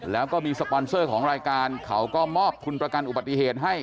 แล้วก็มีสปอนเซอร์ของรายการเขาก็มอบทุนประกันอุบัติเหตุให้